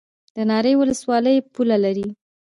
د ناری ولسوالۍ پوله لري